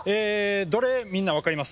どれみんな分かります？